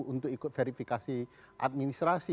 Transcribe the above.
untuk ikut verifikasi administrasi